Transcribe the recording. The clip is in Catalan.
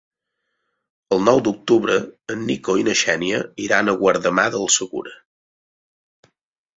El nou d'octubre en Nico i na Xènia iran a Guardamar del Segura.